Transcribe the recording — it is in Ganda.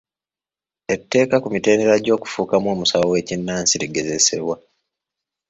Etteeka ku mitendera gy'okufuukamu omusawo w'ekkinnansi ligezesebwa.